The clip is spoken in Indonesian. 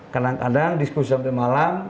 kadang kadang diskusi sampai malam